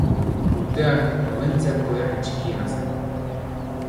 Urtean, probintziako herri txikiena zen.